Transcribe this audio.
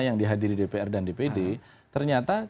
yang dihadiri dpr dan dpd ternyata